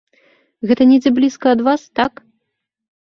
Гэта недзе блізка ад вас, так?